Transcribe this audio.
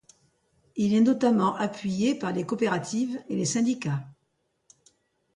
Il est notamment appuyé par les coopératives et les syndicats.